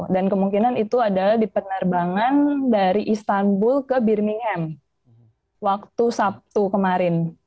dan kemungkinan itu adalah di penerbangan dari istanbul ke birmingham waktu sabtu kemarin